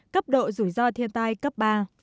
cấp độ rủi ro thiên tai cấp ba